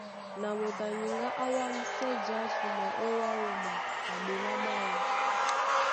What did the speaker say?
Na moto a nyuŋgá á wámsɛ jásumwɛ́ ó wá wúma na ɓémaɓáọ.